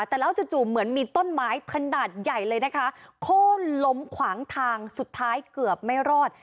แต่แล้วจู่จู่เหมือนมีต้นไม้ขนาดใหญ่เลยนะคะโค้นล้มขวางทางสุดท้ายเกือบไม่รอด